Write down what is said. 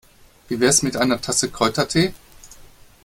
Wie wär's mit einer Tasse Kräutertee?